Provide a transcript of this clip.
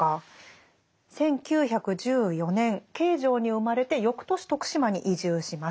１９１４年京城に生まれて翌年徳島に移住します。